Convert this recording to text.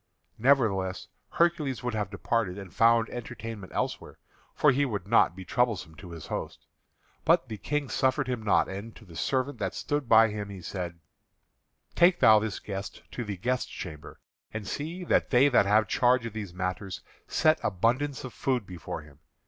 Nevertheless Hercules would have departed and found entertainment elsewhere, for he would not be troublesome to his host. But the King suffered him not. And to the servant that stood by he said: "Take thou this guest to the guest chamber; and see that they that have charge of these matters set abundance of food before him.